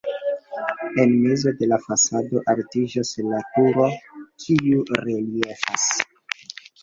En mezo de la fasado altiĝas la turo, kiu reliefas.